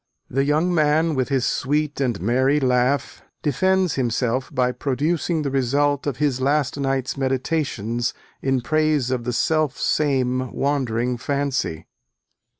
The young man, with his sweet and merry laugh, defends himself by producing the result of his last night's meditations, in praise of the selfsame wandering fancy.